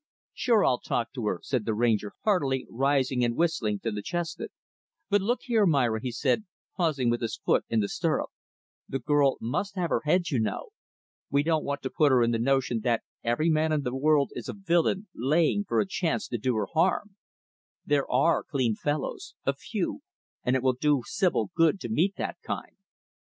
"Sure I'll talk to her," said the Ranger, heartily rising and whistling to the chestnut. "But look here, Myra," he said, pausing with his foot in the stirrup, "the girl must have her head, you know. We don't want to put her in the notion that every man in the world is a villain laying for a chance to do her harm. There are clean fellows a few and it will do Sibyl good to meet that kind."